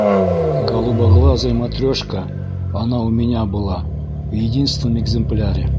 - Голубоглазая матрешка, она у меня была... в единственном экземпляре!